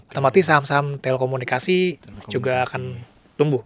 otomatis saham saham telkomunikasi juga akan tumbuh